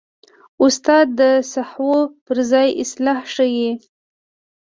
استاد د سهوو پر ځای اصلاح ښيي.